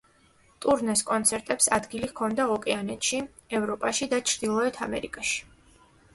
ტურნეს კონცერტებს ადგილი ჰქონდა ოკეანეთში, ევროპაში და ჩრდილოეთ ამერიკაში.